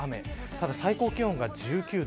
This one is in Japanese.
ただ最高気温が１９度。